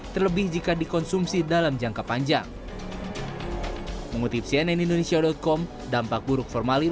terlebih jika dikonsumsi dalam jangka panjang mengutip cnn indonesia com dampak buruk formalin